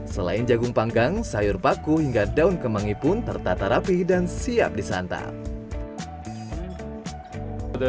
selain jagung panggang sayur paku hingga daun kemangi pun tertata rapi dan siap disantap